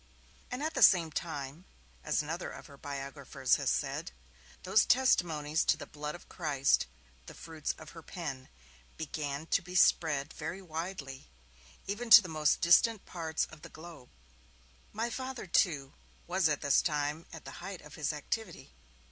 At the same time, as another of her biographers has said, 'those testimonies to the Blood of Christ, the fruits of her pen, began to be spread very widely, even to the most distant parts of the globe'. My Father, too, was at this time at the height of his activity.